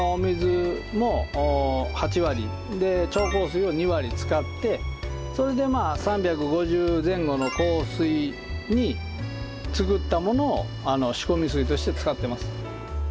それを６７の使ってそれで３５０前後の硬水に作ったものを仕込み水として使ってます。